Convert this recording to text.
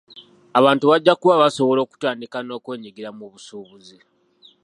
Abantu bajja kuba basobola okutandika n'okwenyigira mu busuubuzi.